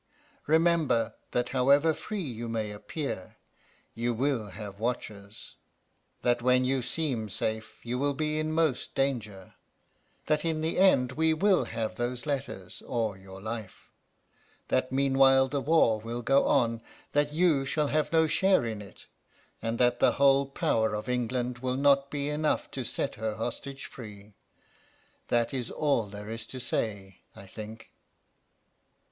Remember that however free you may appear you will have watchers, that when you seem safe you will be in most danger, that in the end we will have those letters or your life; that meanwhile the war will go on, that you shall have no share in it, and that the whole power of England will not be enough to set her hostage free. That is all there is to say, I think....